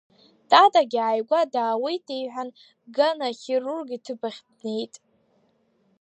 Татагьы ааигәа даауеит, – иҳәан, Гана ахирург иҭыԥахь днеит.